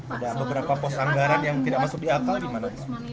ada beberapa pos anggaran yang tidak masuk di akal gimana